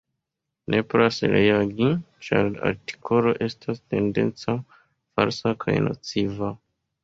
Nepras reagi, ĉar la artikolo estas tendenca, falsa kaj nociva.